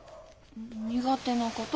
苦手なこと？